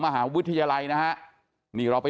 มหาวิทยาลัยนะฮะ